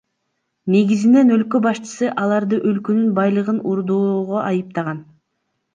Негизинен өлкө башчысы аларды өлкөнүн байлыгын урдоого айыптаган.